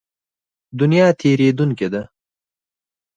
دنیا تېرېدونکې ده.